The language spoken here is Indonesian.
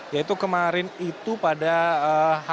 yaitu kemarin itu pada h dua